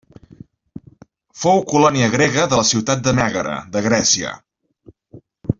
Fou colònia grega de la ciutat de Mègara de Grècia.